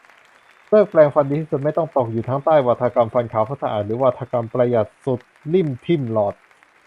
เลิกแปรงฟัน ดีที่สุด ไม่ต้องตกอยู่ทั้งใต้วาทกรรมฟันขาวฟันสะอาด หรือวาทกรรมประหยัดสุดลิ่มทิ่มหลอด